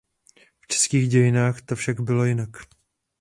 V českých dějinách to však bylo jinak.